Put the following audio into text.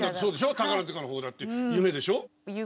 宝塚の方だって夢でしょ？